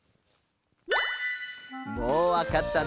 もうわかったね？